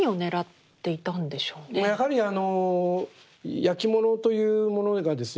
やはりあのやきものというものがですね